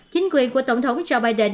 chính quyền của tổng thống joe biden